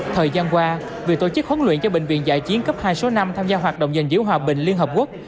thời gian qua việc tổ chức huấn luyện cho bệnh viện giã chiến cấp hai số năm tham gia hoạt động gìn giữ hòa bình liên hợp quốc